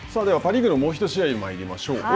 ではパ・リーグのもう１試合まいりましょう。